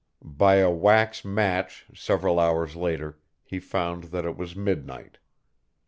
By a wax match several hours later he found that it was midnight.